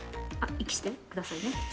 息してくださいね。